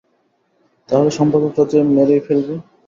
তা হলে সম্পাদকরা যে মেরেই ফেলবে।